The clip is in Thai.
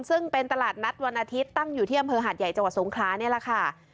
ซึ่งเป็นตลาดนัดวันอาทิตย์ตั้งอยู่ที่อำเภอหาดใหญ่จังหวัดสงครานี่แหละค่ะ